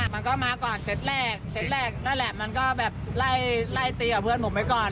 มันก็มาก่อนเซตแรกเซตแรกนั่นแหละมันก็แบบไล่ตีกับเพื่อนผมไว้ก่อน